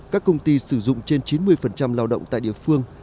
các công ty sử dụng trên chín mươi lao động tại địa phương